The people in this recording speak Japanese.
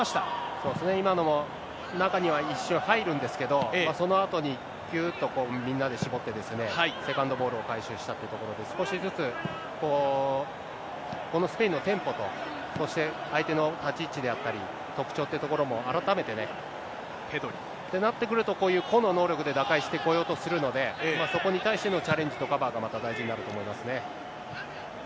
そうですね、今のも中には一瞬、入るんですけど、そのあとにひゅーっとみんなで絞ってですね、セカンドボールを回収したというところで、少しずつこのスペインのテンポと、そして相手の立ち位置であったり、特徴というところも改めてね、ってなってくると、こういう個の能力で打開してこようとするので、そこに対してのチャレンジとカバーがまた大事になると思いますね。